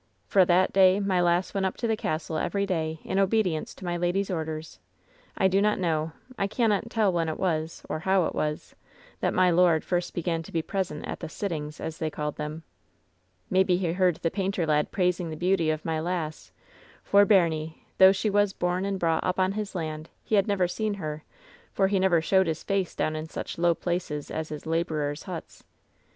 Fra that day my lass went up to the castle every day, in obedience to my lady's orders. I do not know, I cannot tell when it was, or how it was, that my lord first began to be present at the ^sittings,' as they called them. Maybe he heard the painter lad praising the beauty of my lass, for, baimie, though she was bom and brought up on his land, he had never seen her, for he never showed his face down in such low places as his laborers' huts.